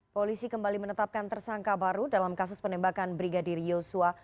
polisi kembali menetapkan tersangka baru dalam kasus penembakan brigadir yosua